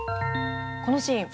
このシーン。